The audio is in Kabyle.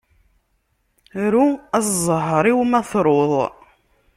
Ru a zzheṛ-iw ma truḍ.